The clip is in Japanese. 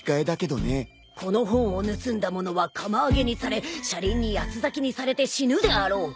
「この本を盗んだ者は釜揚げにされ車輪に八つ裂きにされて死ぬであろう」